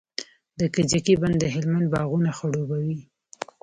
د کجکي بند د هلمند باغونه خړوبوي.